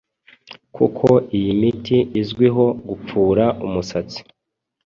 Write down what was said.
kuko iyi miti izwiho gupfura umusatsi